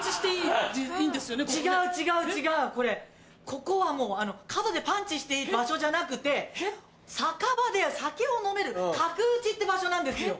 ここは角でパンチしていい場所じゃなくて酒場で酒を飲める「角打ち」って場所なんですよ。